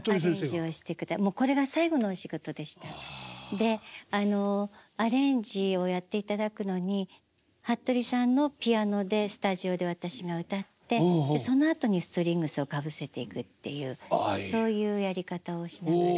でアレンジをやっていただくのに服部さんのピアノでスタジオで私が歌ってそのあとにストリングスをかぶせていくっていうそういうやり方をしながら。